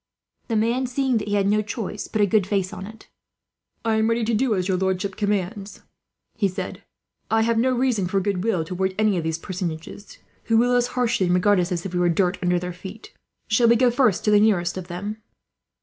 The man, seeing that he had no choice, put a good face on it. "I am ready to do as your lordship commands," he said. "I have no reason for goodwill towards any of these personages, who rule us harshly, and regard us as if we were dirt under their feet. Shall we go first to the nearest of them?"